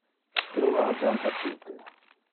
Io lo ha jam facite.